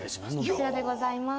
こちらでございます。